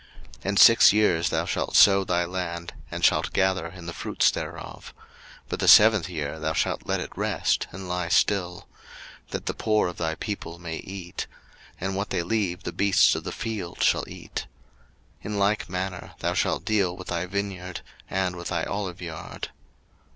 02:023:010 And six years thou shalt sow thy land, and shalt gather in the fruits thereof: 02:023:011 But the seventh year thou shalt let it rest and lie still; that the poor of thy people may eat: and what they leave the beasts of the field shall eat. In like manner thou shalt deal with thy vineyard, and with thy oliveyard.